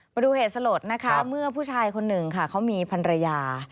มาดูเหตุสลดนะคะเมื่อผู้ชายคนหนึ่งค่ะเขามีพันรยา